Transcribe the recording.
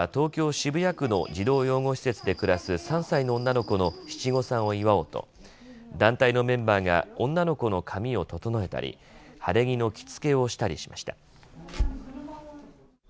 渋谷区の児童養護施設で暮らす３歳の女の子の七五三を祝おうと団体のメンバーが女の子の髪を整えたり晴れ着の着付けをしたりしました。